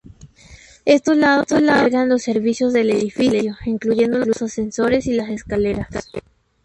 Estos lados albergan los servicios del edificio, incluyendo los ascensores y las escaleras.